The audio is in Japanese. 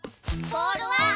ボールは！？